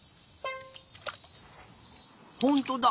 ほんとだ！